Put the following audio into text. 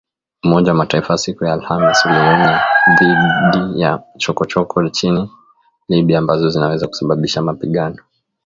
Umoja wa Mataifa siku ya Alhamis ulionya dhidi ya “chokochoko” nchini Libya ambazo zinaweza kusababisha mapigano